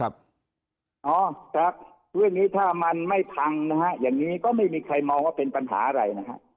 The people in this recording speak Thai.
อ๋อครับเรื่องนี้ถ้ามันไม่พังนะฮะอย่างนี้ก็ไม่มีใครมองว่าเป็นปัญหาอะไรนะฮะ